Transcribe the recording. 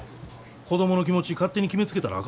子供の気持ち勝手に決めつけたらあかんで。